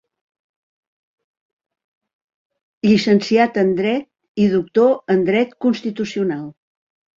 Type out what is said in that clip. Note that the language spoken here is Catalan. Llicenciat en Dret i doctor en dret constitucional.